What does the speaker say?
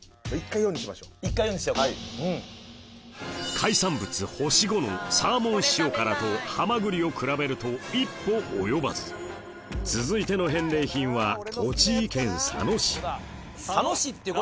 海産物星５のサーモン塩辛とはまぐりを比べると一歩及ばず続いての返礼品は栃木県佐野市頼む！